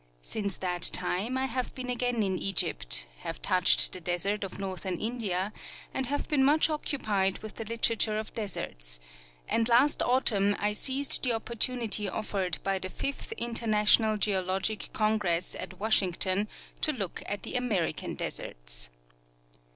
Since tliat time I have been again in Egypt, have touched the desert of northern India, and have been much occupied Avith the literature of deserts ; and last autumn I seized the opportunity offered by the fifth International Geologic Con gress at Washington to look at the American deserts.